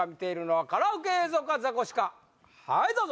はいどうぞ！